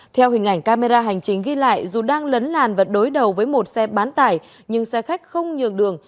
theo hình ảnh camera hành chính ghi lại dù đang lấn làn và đối đầu với một xe bán tải nhưng xe khách không nhường đường